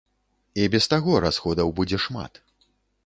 І без таго расходаў будзе шмат.